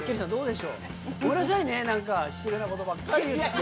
ごめんなさいね失礼なことばっかり言って。